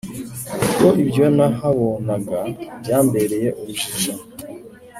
kuko ibyo nahabonaga byambereye urujijo,